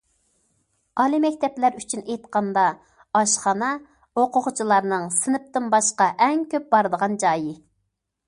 ئالىي مەكتەپلەر ئۈچۈن ئېيتقاندا، ئاشخانا ئوقۇغۇچىلارنىڭ سىنىپتىن باشقا ئەڭ كۆپ بارىدىغان جايى.